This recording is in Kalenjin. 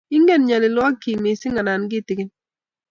Ingen nyalillwogik chik missing' anan kitikin ?